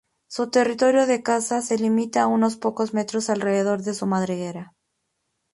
Su territorio de caza se limita a unos pocos metros alrededor de su madriguera.